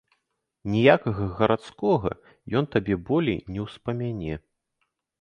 Ніякага гарадскога ён табе болей не ўспамяне.